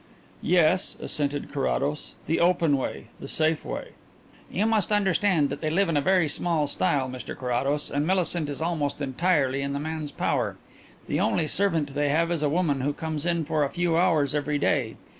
"Yes," assented Carrados. "The open way; the safe way." "You must understand that they live in a very small style, Mr Carrados, and Millicent is almost entirely in the man's power. The only servant they have is a woman who comes in for a few hours every day.